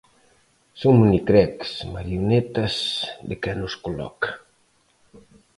Son monicreques, marionetas de quen os coloca.